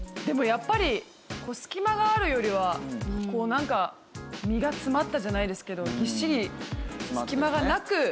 でもやっぱり隙間があるよりはこうなんか身が詰まったじゃないですけどぎっしり隙間がなく。